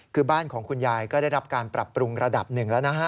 คือบ้านของคุณยายก็ได้รับการปรับปรุงระดับหนึ่งแล้วนะฮะ